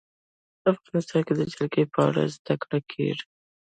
افغانستان کې د جلګه په اړه زده کړه کېږي.